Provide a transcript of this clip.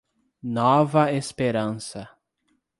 Nova Esperança